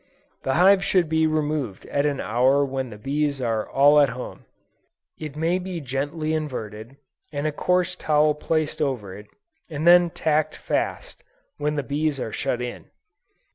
The hive should be removed at an hour when the bees are all at home. It may be gently inverted, and a coarse towel placed over it, and then tacked fast, when the bees are shut in.